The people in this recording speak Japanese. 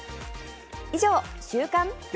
以上、週刊。